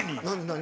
何？